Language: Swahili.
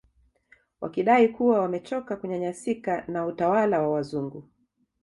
Wakidai kuwa wamechoka kunyanyasika na utawala wa wazungu